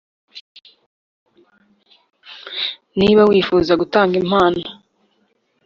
Niba wifuza gutanga impano